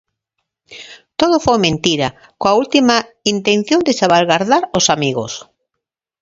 Todo foi mentira, coa última intención de salvagardar os amigos.